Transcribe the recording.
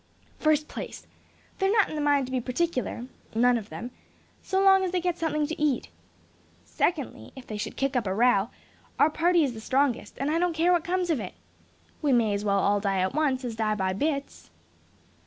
"First place. They're not in the mind to be particular, none of them, so long as they get something to eat. Secondly; if they should kick up a row, our party is the strongest; and I don't care what comes of it. We may as well all die at once, as die by bits."